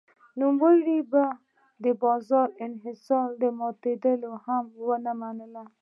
نوموړی به د بازار انحصار ماتېدل هم ونه مني.